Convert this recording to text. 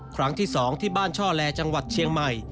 ครั้งที่๒ที่บ้านช่อแลจังหวัดเชียงใหม่